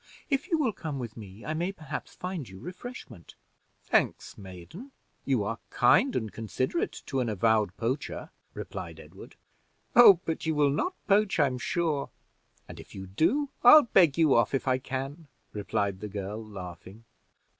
If you will come with me, I may perhaps find you refreshment." "Thanks, maiden, you are kind and considerate to an avowed poacher," replied Edward. "Oh, but you will not poach, I'm sure; and if you do, I'll beg you off if I can," replied the girl, laughing.